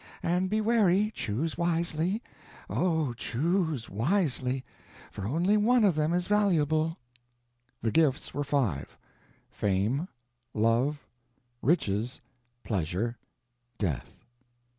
And be wary, choose wisely; oh, choose wisely! for only one of them is valuable." The gifts were five: Fame, Love, Riches, Pleasure, Death.